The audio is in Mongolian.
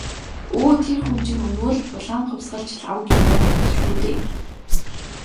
Өө тэр хүн чинь өнөө л «улаан хувьсгалч» Лхагва юм байна шүү дээ.